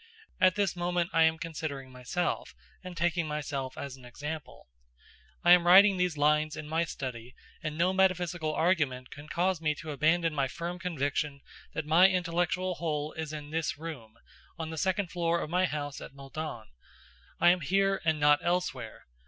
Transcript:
At this moment I am considering myself, and taking myself as an example. I am writing these lines in my study, and no metaphysical argument can cause me to abandon my firm conviction that my intellectual whole is in this room, on the second floor of my house at Meudon. I am here, and not elsewhere.